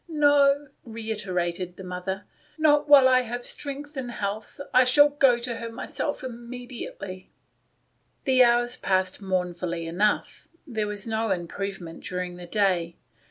" No," reiterated the mother, " not while I have health and strength. I shall go to her myself immediately." The hours passed mournfully enough. There was no improvement during the day.